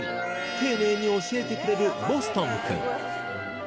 丁寧に教えてくれるボストンくん